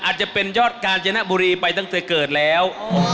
อาจจะเป็นยอดกาญจนบุรีไปตั้งแต่เกิดแล้ว